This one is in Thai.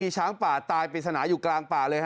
ช้างป่าตายปริศนาอยู่กลางป่าเลยฮ